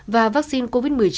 và vaccine covid một mươi chín